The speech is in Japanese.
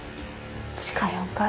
地下４階